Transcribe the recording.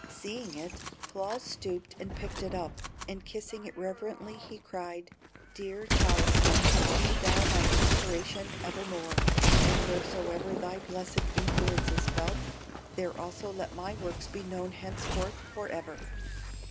Seeing it, Claus stooped and picked it up, and kissing it reverently, he cried: "Dear talisman, be thou my inspiration evermore; and wheresoever thy blessed influence is felt, there also let my works be known henceforth forever!"